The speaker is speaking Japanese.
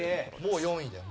もう４位だよ